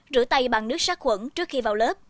rửa tay bằng nước sát khuẩn trước khi vào lớp